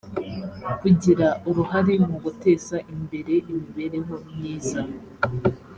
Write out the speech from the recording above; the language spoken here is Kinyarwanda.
kugira uruhare mu guteza imbere imibereho myiza